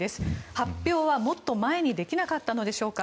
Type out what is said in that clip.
発表はもっと前にできなかったのでしょうか？